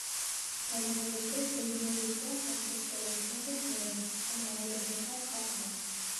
Ҡәләмегеҙҙе кейемегеҙгә һәм сәстәрегеҙгә һөртмәгеҙ һәм ауыҙығыҙға ҡапмағыҙ.